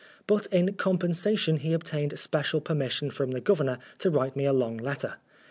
But in com pensation he obtained special permission from the Governor to write me a long letter.